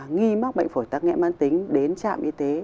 nghi mắc bệnh phổi tắc nhém mạng tính đến trạm y tế